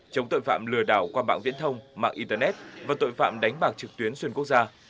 chống tội phạm lừa đảo qua mạng viễn thông mạng internet và tội phạm đánh bạc trực tuyến xuyên quốc gia